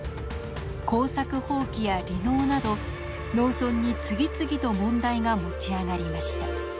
耕作放棄や離農など農村に次々と問題が持ち上がりました。